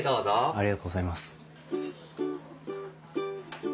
ありがとうございます。